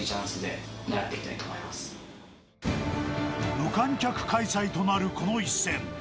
無観客開催となるこの一戦。